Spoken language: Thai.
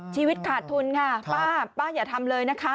ชีวิตขาดทุนค่ะป้าป้าอย่าทำเลยนะคะ